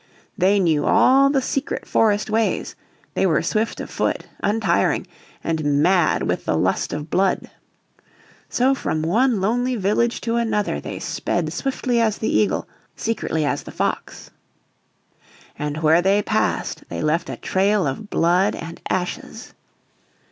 They knew all the secret forest ways, they were swift of foot, untiring, and mad with the lust of blood. So from one lonely village to another they sped swiftly a the eagle, secretly as the fox. And where they passed they left a trail of blood and ashes.